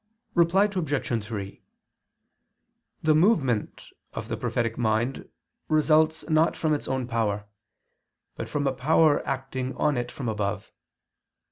Reply Obj. 3: The movement of the prophetic mind results not from its own power, but from a power acting on it from above.